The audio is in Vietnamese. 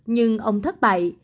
nhưng ông thất bại